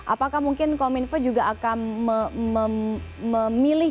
apakah mungkin kominfo juga akan memilih